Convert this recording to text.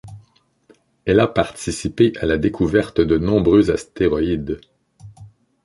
Elle a participé à la découverte de nombreux astéroïdes.